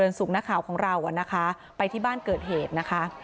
เจริญศูนย์หน้าข่าวของเรานะคะไปที่บ้านเกิดเหตุนะคะ